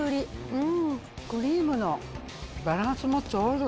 うーん、クリームのバランスもち